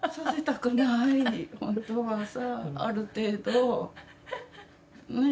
本当はさある程度ねえ。